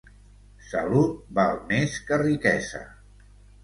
Salut val més que riquesa.